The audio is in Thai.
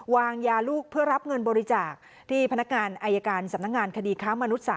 วางยาลูกเพื่อรับเงินบริจาคที่พนักงานอายการสำนักงานคดีค้ามนุษย